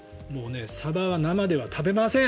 サバは生では食べません